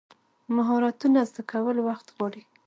مهارتونه زده کول وخت غواړي.